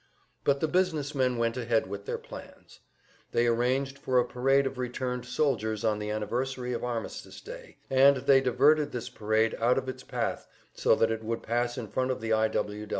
But the business men went ahead with their plans. They arranged for a parade of returned soldiers on the anniversary of Armistice Day, and they diverted this parade out of its path so that it would pass in front of the I.